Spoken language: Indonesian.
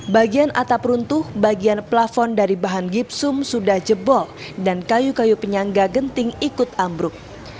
bagian atap runtuh bagian plafon dari bahan gipsum sudah jebol dan kayu kayu penyangga genting ikut ambruk